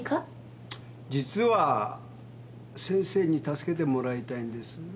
実は先生に助けてもらいたいんです。